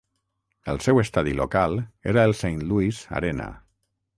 El seu estadi local era el Saint Louis Arena.